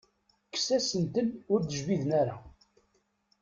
Kkes asentel ur d-jbiden ara.